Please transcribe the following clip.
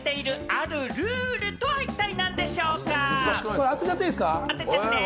これ、当てちゃっていいですか？